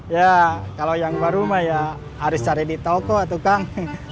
ya kalo yang baru mah ya harus cari di toko tuh kang